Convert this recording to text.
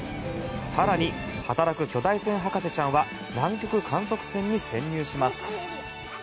更に、働く巨大船博士ちゃんは南極観測船に潜入します。